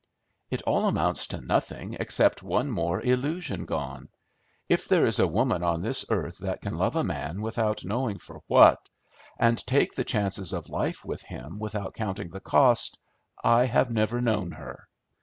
"It all amounts to nothing except one more illusion gone. If there is a woman on this earth that can love a man without knowing for what, and take the chances of life with him without counting the cost, I have never known her.